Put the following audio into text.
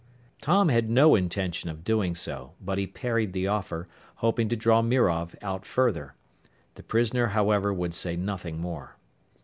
Tom had no intention of doing so, but he parried the offer, hoping to draw Mirov out further. The prisoner, however, would say nothing more.